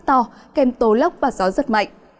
rất to kèm tố lóc và gió rợt mạnh